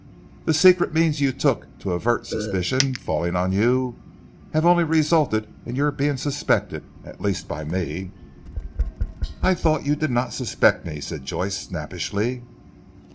The secret means you took to avert suspicion falling on you, have only resulted in your being suspected at least by me." "I thought you did not suspect me?" said Joyce snappishly.